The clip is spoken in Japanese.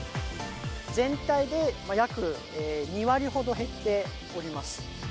全体で約２割ほど減っております。